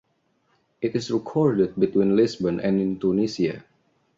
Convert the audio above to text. It is recorded between Lisbon and Tunisia.